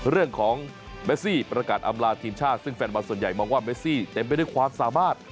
เรื่องของเมซี่ประกาศอำลาทีมชาติซึ่งแฟนบอลส่วนใหญ่มองว่าเมซี่เต็มไปด้วยความสามารถ